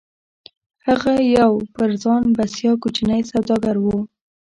هغه يو پر ځان بسيا کوچنی سوداګر و.